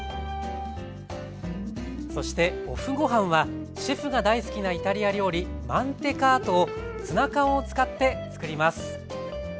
そしてＯＦＦごはんはシェフが大好きなイタリア料理マンテカートをツナ缶を使ってつくります。